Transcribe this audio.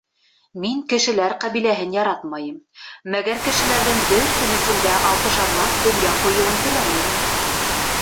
Мин кешеләр ҡәбиләһен яратмайым, мәгәр кешеләрҙең бер төн эсендә алтышарлап донъя ҡуйыуын теләмәйем.